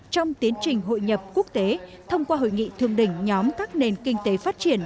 trong tiến trình hội nhập quốc tế thông qua hội nghị thương đỉnh nhóm các nền kinh tế phát triển